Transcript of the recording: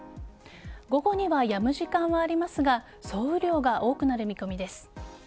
午後にはやむ時間はありますが総雨量が多くなる見込みです。